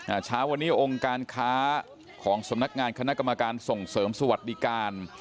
เช้าวันนี้องค์การค้าของสำนักงานคณะกรรมการส่งเสริมสวัสดิการ